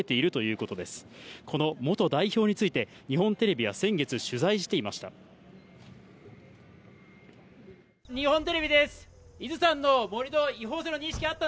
この元代表について、日本テレビは先月、取材していました。